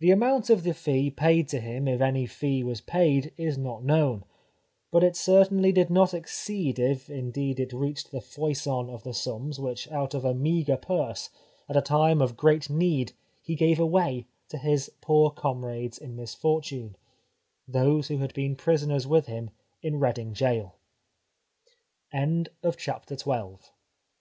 The amount of the fee paid to him, if any fee was paid, is not known, but it certainly did not exceed if indeed it reached the foison of the sums which out of a meagre purse, at a time of great need, he gave away to his poor comrades in misfortune, those who had be